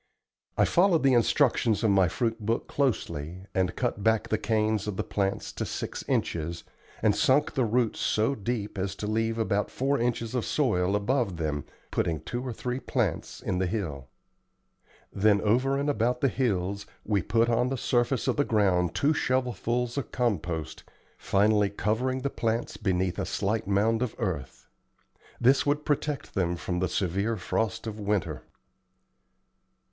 I followed the instructions of my fruit book closely, and cut back the canes of the plants to six inches, and sunk the roots so deep as to leave about four inches of soil above them, putting two or three plants in the hill. Then over and about the hills we put on the surface of the ground two shovelfuls of compost, finally covering the plants beneath a slight mound of earth. This would protect them from the severe frost of winter.